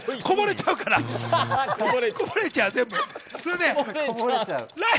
こぼれちゃうからだめ！